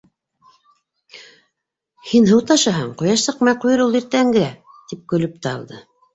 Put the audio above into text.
Һин һыу ташыһаң, ҡояш сыҡмай ҡуйыр ул иртәнгә, - тип көлөп тә алды.